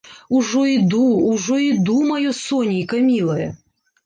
Ужо іду, ужо іду, маё сонейка мілае!